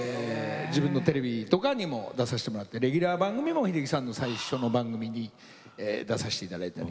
自分のテレビとかにも出さしてもらってレギュラー番組も秀樹さんの最初の番組に出さしていただいたり。